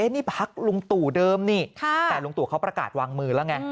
นี่พักลุงตู่เดิมนี่แต่ลุงตู่เขาประกาศวางมือแล้วไง